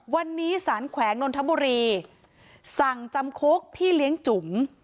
วันนี้สารแขวงนนทบุรีสั่งจำคุกพี่เลี้ยงจุ๋ม